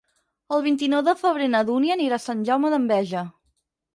El vint-i-nou de febrer na Dúnia anirà a Sant Jaume d'Enveja.